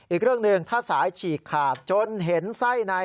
อีกเรื่องหนึ่งถ้าสายฉีกขาดจนเห็นไส้ใน